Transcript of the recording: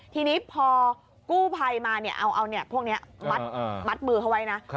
ทีนี้พอกู้ภัยมาเอาพวกนี้มัดมือเขาไว้นะ